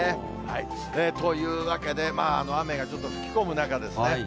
というわけで、雨がちょっと吹き込む中ですね。